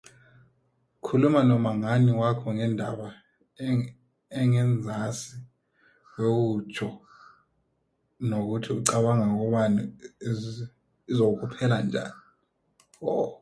Khuluma nomngani wakho ngendaba engenzasi bewutjho nokuthi ucabanga kobana izokuphela njani.